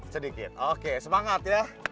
sedikit oke semangat ya